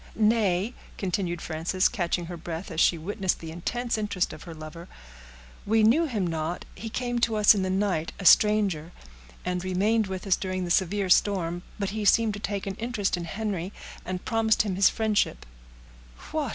"Nay," continued Frances, catching her breath as she witnessed the intense interest of her lover, "we knew him not; he came to us in the night, a stranger, and remained with us during the severe storm; but he seemed to take an interest in Henry, and promised him his friendship," "What!"